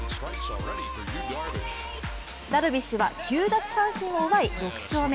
ダルビッシュは、９奪三振を奪い、６勝目。